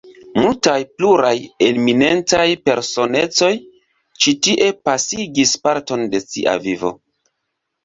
Multaj pluraj eminentaj personecoj ĉi tie pasigis parton de sia vivo.